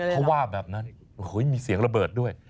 เขาว่าแบบนั้นโอ้โหมีเสียงระเบิดด้วย